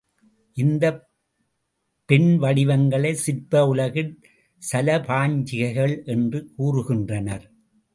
இந்தப் பெண்வடிவங்களை சிற்ப உலகில் சலபாஞ்சிகைகள் என்று கூறுகின்றனர்.